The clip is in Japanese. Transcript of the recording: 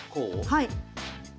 はい。